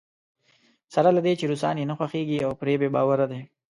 سره له دې چې روسان یې نه خوښېږي او پرې بې باوره دی.